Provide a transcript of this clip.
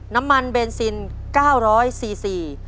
น้ำมันเบนซิน๙๐๐ซีซี